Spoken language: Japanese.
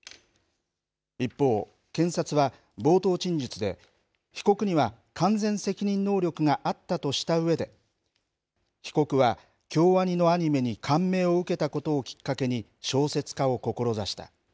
一方、検察は、冒頭陳述で、被告には完全責任能力があったとしたうえで、被告は京アニのアニメに感銘を受けたことをきっかけに小説家を志した。